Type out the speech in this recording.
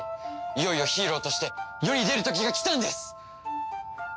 いよいよヒーローとして世に出る時がきたんです！